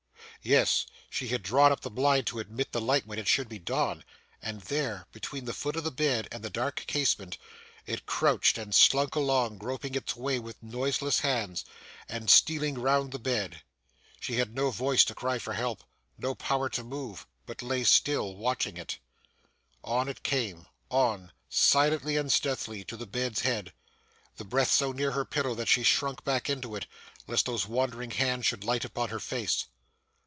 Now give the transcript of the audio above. Yes, she had drawn up the blind to admit the light when it should be dawn, and there, between the foot of the bed and the dark casement, it crouched and slunk along, groping its way with noiseless hands, and stealing round the bed. She had no voice to cry for help, no power to move, but lay still, watching it. On it came on, silently and stealthily, to the bed's head. The breath so near her pillow, that she shrunk back into it, lest those wandering hands should light upon her face.